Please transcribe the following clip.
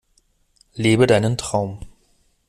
Lebe deinen Traum!